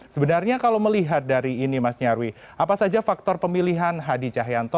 sebenarnya kalau melihat dari ini mas nyarwi apa saja faktor pemilihan hadi cahyanto